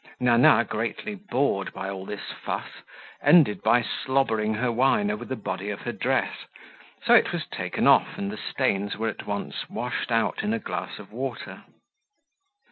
Nana, greatly bored by all this fuss, ended by slobbering her wine over the body of her dress, so it was taken off and the stains were at once washed out in a glass of water.